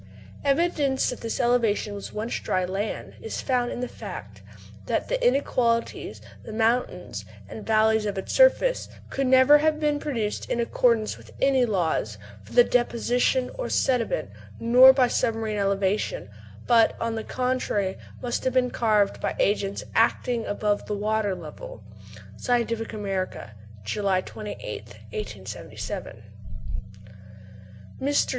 Evidence that this elevation was once dry land is found in the fact that "the inequalities, the mountains and valleys of its surface, could never have been produced in accordance with any laws for the deposition of sediment, nor by submarine elevation; but, on the contrary, must have been carved by agencies acting above the water level." (Scientific American, July 28th, 1877.) Mr.